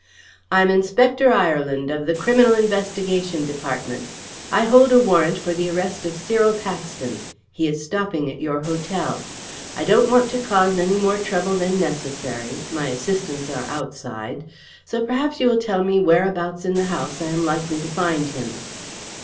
"I'm Inspector Ireland, of the Criminal Investigation Department. I hold a warrant for the arrest of Cyril Paxton. He is stopping in your hotel. I don't want to cause any more trouble than necessary my assistants are outside so, perhaps, you will tell me whereabouts in the house I am likely to find him."